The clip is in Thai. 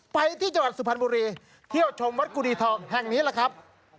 ไปที่จังหวัดสุพรรณบุรีเที่ยวชมวัดกุฎีทองแห่งนี้แหละครับ